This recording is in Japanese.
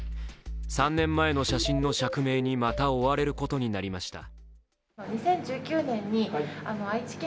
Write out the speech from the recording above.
３年前の写真の釈明にまた追われることになりました。